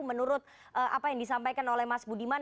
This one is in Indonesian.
menurut apa yang disampaikan oleh mas budiman